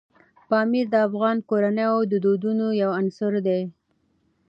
پامیر د افغان کورنیو د دودونو یو عنصر دی.